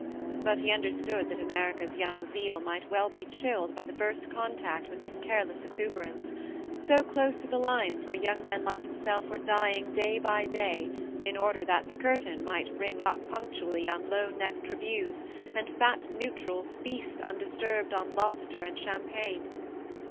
But he under stood that America's young zeal might well be chilled by the first contact with this careless exuberance, so close to the lines where young men like himself were dying day by day in order that the curtain might ring up punctu ally on low necked revues, and fat neutrals feast undisturbed on lobster and champagne.